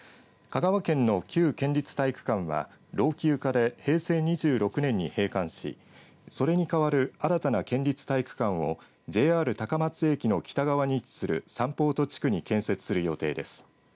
香川県の旧県立体育館は老朽化で平成２６年に閉館しそれに代わる新たな県立体育館をＪＲ高松駅の北側に位置するサンポート地区に建設する予定です。